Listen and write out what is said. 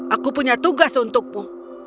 aku punya tugas untukmu